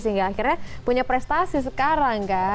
sehingga akhirnya punya prestasi sekarang kan